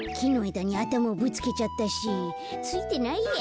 だにあたまをぶつけちゃったしついてないや。